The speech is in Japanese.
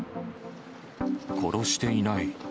殺していない。